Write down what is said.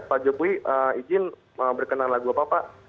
pak jokowi izin berkenan lagu apa pak